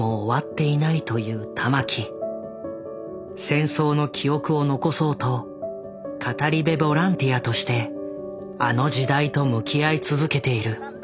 戦争の記憶を残そうと語り部ボランティアとしてあの時代と向き合い続けている。